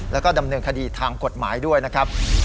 แล้วก็ดำเนินคดีทางกฎหมายด้วยนะครับ